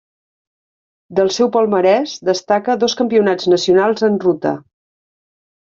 Del seu palmarès destaca dos Campionats nacionals en ruta.